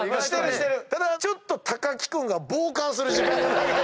ただちょっと木君が傍観する時間が。